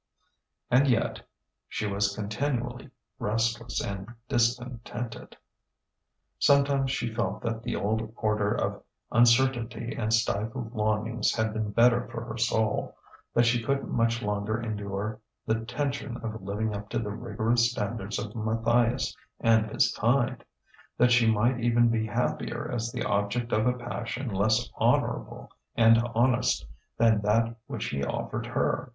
And yet ... she was continually restless and discontented. Sometimes she felt that the old order of uncertainty and stifled longings had been better for her soul; that she couldn't much longer endure the tension of living up to the rigorous standards of Matthias and his kind; that she might even be happier as the object of a passion less honourable and honest than that which he offered her.